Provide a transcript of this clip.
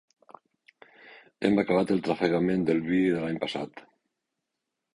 Hem acabat el trafegament del vi de l'any passat.